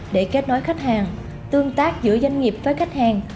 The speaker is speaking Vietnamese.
để kết nối khách hàng tương tác giữa doanh nghiệp với khách hàng